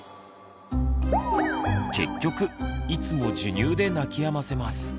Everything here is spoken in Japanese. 結局いつも授乳で泣きやませます。